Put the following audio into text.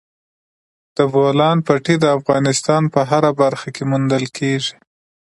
د بولان پټي د افغانستان په هره برخه کې موندل کېږي.